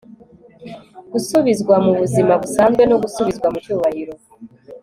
Gusubizwa mu buzima busanzwe no gusubizwa mu cyubahiro